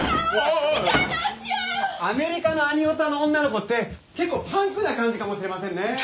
アメリカのアニオタの女の子って結構パンクな感じかもしれませんね。